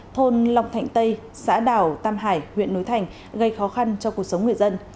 thôn long thạnh tây xã đảo tam hải huyện núi thành gây khó khăn cho cuộc sống người dân